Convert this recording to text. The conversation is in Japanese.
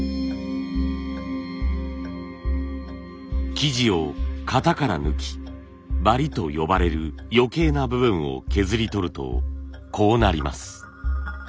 素地を型から抜きバリと呼ばれる余計な部分を削り取るとこうなります。